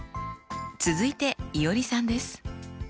続いていおりさんです。